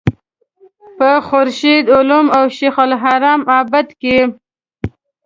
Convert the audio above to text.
په خورشید علوم او شیخ الحرم عابد کې.